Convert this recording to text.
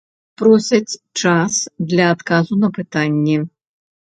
Просяць час для адказу на пытанні.